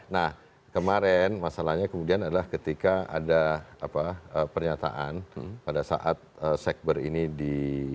nah kemarin masalahnya kemudian adalah ketika ada pernyataan pada saat sekber ini di